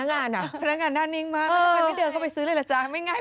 น่านิ่งมากเข้าไปซื้อเลยหรอจ๋าไม่ง่ายหรอ